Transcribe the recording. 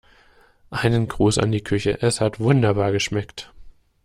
Einen Gruß an die Küche, es hat wunderbar geschmeckt.